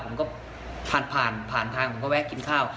ผมก็ผ่านผ่านทางผมก็แวะกินข้าว